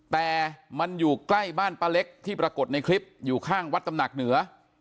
แต่มันอยู่ใกล้บ้านป้าเล็กที่ปรากฏในคลิปอยู่ข้างวัดตำหนักเหนือ